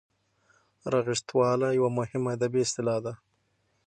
رغښتواله یوه مهمه ادبي اصطلاح ده.